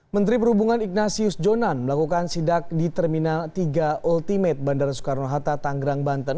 menteri perhubungan ignasius jonan melakukan sidak di terminal tiga ultimate bandara soekarno hatta tanggerang banten